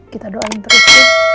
kita doain terus ya